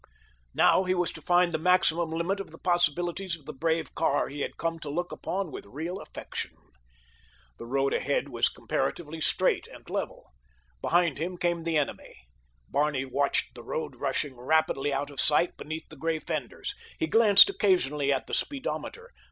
Now he was to find the maximum limit of the possibilities of the brave car he had come to look upon with real affection. The road ahead was comparatively straight and level. Behind him came the enemy. Barney watched the road rushing rapidly out of sight beneath the gray fenders. He glanced occasionally at the speedometer.